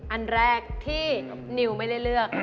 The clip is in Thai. อันแรกที่นิวไม่ได้เลือก